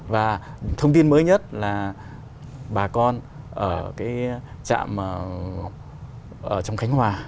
và thông tin mới nhất là bà con ở cái trạm ở trong khánh hòa